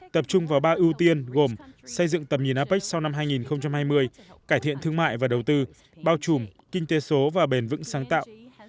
tập trung vào ba ưu tiên gồm xây dựng tầm nhìn apec sau năm hai nghìn hai mươi cải thiện thương mại và đầu tư bao trùm kinh tế số và bền vững sáng tạo